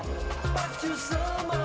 untuk tes rapid